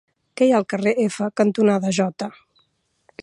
Què hi ha al carrer F cantonada Jota?